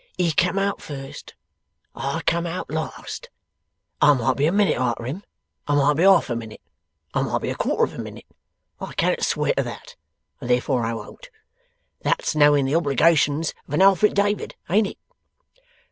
He come out first; I come out last. I might be a minute arter him; I might be half a minute, I might be a quarter of a minute; I cannot swear to that, and therefore I won't. That's knowing the obligations of a Alfred David, ain't it?